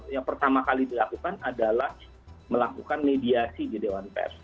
yang pertama kali dilakukan adalah melakukan mediasi di dewan pers